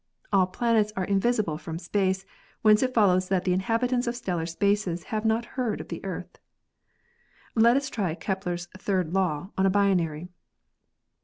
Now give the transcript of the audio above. All planets are invisible from space, whence it follows that the inhabitants of stellar spaces have not heard of the Earth. "Let us try Kepler's third law on a binary.